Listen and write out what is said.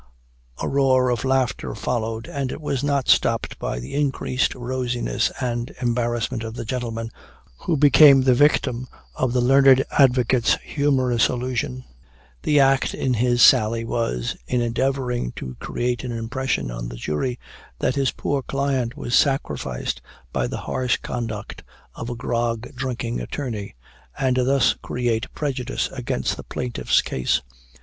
A roar of laughter followed, and it was not stopped by the increased rosiness and embarrassment of the gentleman who became the victim of the learned advocate's humorous allusion. The tact in this sally was, in endeavoring to create an impression on the jury that his poor client was sacrificed by the harsh conduct of a grog drinking attorney, and thus create prejudice against the plaintiff's case.